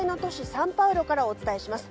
サンパウロからお伝えします。